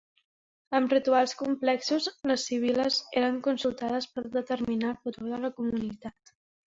Amb rituals complexos, les sibil·les eren consultades per determinar el futur de la comunitat.